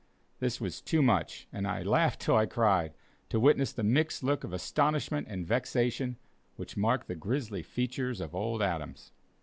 This was too much, and "I laughed till I cried," to witness the mixed look of astonishment and vexation which marked the grizzly features of old Adams.